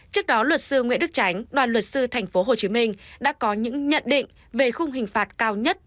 trước đó luật sư nguyễn đức tránh đoàn luật sư tp hcm đã có những nhận định về khung hình phạt cao nhất